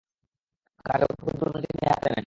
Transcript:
কার্যকর পরিকল্পনা তিনি হাতে নেন।